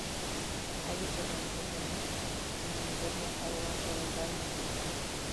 Varias organizaciones pequeñas en Mongolia abogan por una Gran Mongolia.